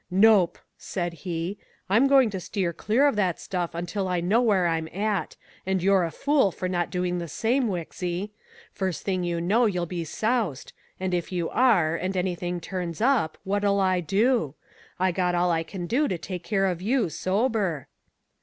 "Nope!" said he. "I'm going to steer clear of that stuff until I know where I'm at, and you're a fool for not doing the same, Wixy. First thing you know you'll be soused, and if you are, and anything turns up, what'll I do? I got all I can do to take care of you sober."